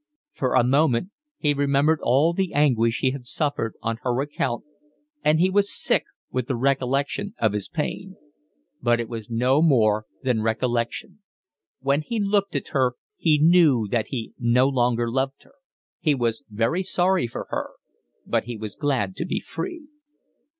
For a moment he remembered all the anguish he had suffered on her account, and he was sick with the recollection of his pain. But it was no more than recollection. When he looked at her he knew that he no longer loved her. He was very sorry for her, but he was glad to be free.